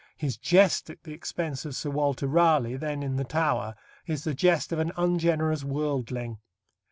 His jest at the expense of Sir Walter Raleigh, then in the Tower, is the jest of an ungenerous worldling.